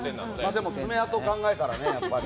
でも、爪痕を考えたらね、やっぱり。